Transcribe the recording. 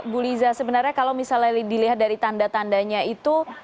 bu liza sebenarnya kalau misalnya dilihat dari tanda tandanya itu